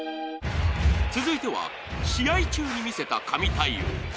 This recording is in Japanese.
続いては試合中に見せた神対応。